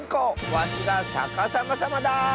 わしがさかさまさまだ！